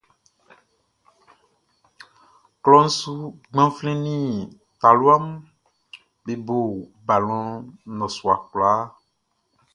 Klɔʼn su gbanflɛn nin talua mun be bo balɔn nnɔsua kwlaa.